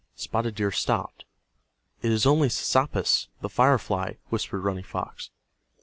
Spotted Deer stopped. "It is only Sasappis, the fire fly," whispered Running Fox.